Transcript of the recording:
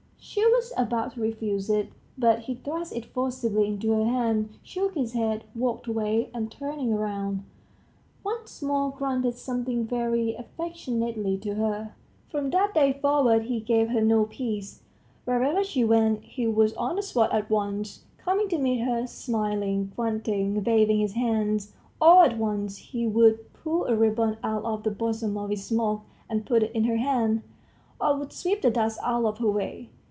She was about to refuse it, but he thrust it forcibly into her hand, shook his head, walked away, and turning round, once more grunted something very affectionately to her. From that day forward he gave her no peace; wherever she went, he was on the spot at once, coming to meet her, smiling, grunting, waving his hands; all at once he would pull a ribbon out of the bosom of his smock and put it in her hand, or would sweep the dust out of her way.